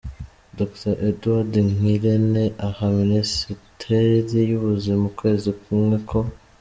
Dr. Eduard Ngirente, aha Minisiteri y’Ubuzima, ukwezi kumwe ko